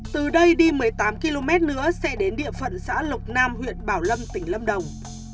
từ đây đi một mươi tám km nữa xe đến địa phận xã lộc nam huyện bảo lâm tỉnh lâm đồng